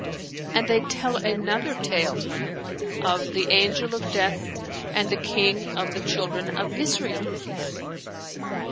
"[FN#458] And they tell another tale of THE ANGEL OF DEATH AND THE KING OF THE CHILDREN OF ISRAEL.